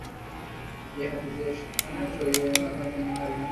এ হাদীসের সনদ সহীহ এবং তার বর্ণনাকারীগণ নির্ভরযোগ্য।